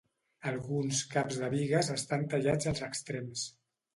Alguns caps de bigues estan tallats als extrems.